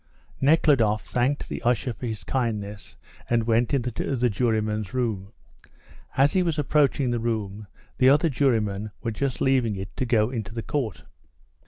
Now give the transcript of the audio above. Nekhludoff thanked the usher for his kindness, and went into the jurymen's room. As he was approaching the room, the other jurymen were just leaving it to go into the court.